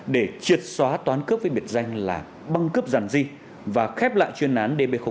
để triệt xóa toán cướp với biệt danh là băng cướp dàn di và khép lại chuyên án db